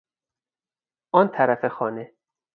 آن طرف خانه